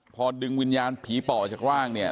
พอดึงวิญญาณผีป่อออกจากร่างเนี่ย